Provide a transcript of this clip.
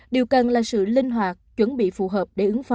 điều cần là sự linh hoạt chuẩn bị phù hợp